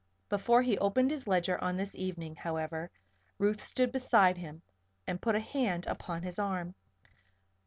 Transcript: Before he opened his ledger on this evening, however, Ruth stood beside him and put a hand upon his arm.